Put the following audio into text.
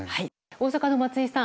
大阪の松井さん